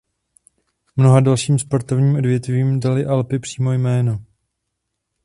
Mnoha dalším sportovním odvětvím daly Alpy přímo jméno.